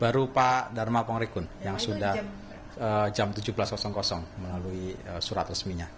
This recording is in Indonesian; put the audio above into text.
baru pak dharma pongrikun yang sudah jam tujuh belas melalui surat resminya